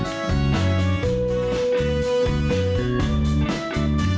สวัสดีครับ